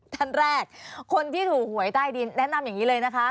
ท่านแรกคนที่ถูกหวยใต้ดินแนะนำอย่างนี้เลยนะคะ